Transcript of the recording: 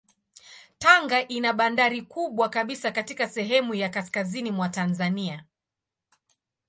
Tanga ina bandari kubwa kabisa katika sehemu ya kaskazini mwa Tanzania.